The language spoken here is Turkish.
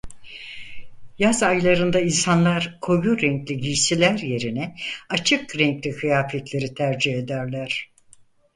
Yaz aylarında insanlar koyu renkli giysiler yerine açık renkli kıyafetleri tercih ederler.